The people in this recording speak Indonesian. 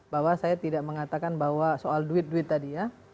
bahwa saya tidak mengatakan bahwa soal duit duit tadi ya